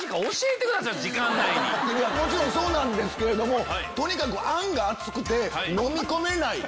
もちろんそうなんですけどもとにかくあんが熱くてのみ込めない。